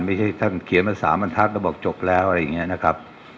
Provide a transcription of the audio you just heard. ไม่ใช่ท่านเขียนเมื่อสามอันทัศน์เราบอกจบแล้วอะไรอย่างเงี้ยนะครับ